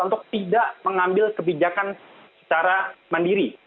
untuk tidak mengambil kebijakan secara mandiri